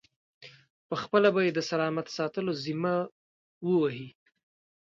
پخپله به یې د سلامت ساتلو ذمه و وهي.